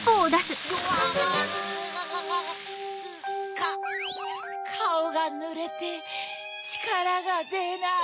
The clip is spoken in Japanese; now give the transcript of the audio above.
カオがぬれてちからがでない。